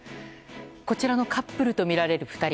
こちらのカップルとみられる２人。